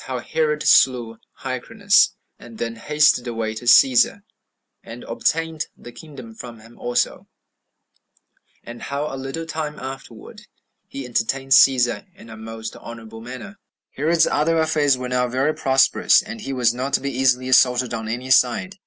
How Herod Slew Hyrcanus And Then Hasted Away To Cæsar, And Obtained The Kingdom From Him Also; And How A Little Time Afterward, He Entertained Cæsar In A Most Honorable Manner. 1. Herod's other affairs were now very prosperous, and he was not to be easily assaulted on any side.